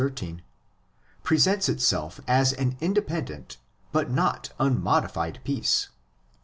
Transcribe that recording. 18) presents itself as an independent but not unmodified piece.